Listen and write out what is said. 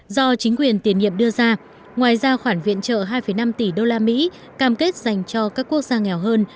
do chính quyền tiền nhiệm đưa ra ngoài ra khoản viện trợ hai năm tỷ usd cam kết dành cho các quốc gia nghèo hơn